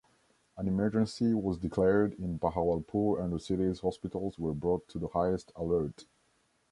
An emergency was declared in Bahawalpur and the city’s hospitals were brought to the highest alert.